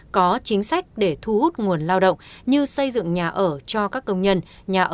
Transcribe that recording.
có chính sách để thu hút nguồn lao động như xây dựng nhà ở cho các công nhân